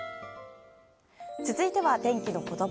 続いては天気のことば。